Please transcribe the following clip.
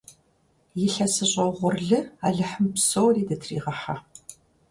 Илъэсыщӏэ угъурлы алыхьым псори дытыригъыхьэ!